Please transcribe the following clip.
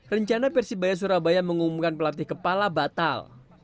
rencana persebaya surabaya mengumumkan pelatih kepala batal